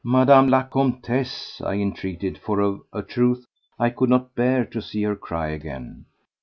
"Madame la Comtesse," I entreated, for of a truth I could not bear to see her cry again.